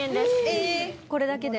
これだけで？